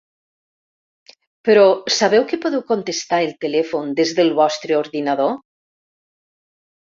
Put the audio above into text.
Però sabeu que podeu contestar el telèfon des del vostre ordinador?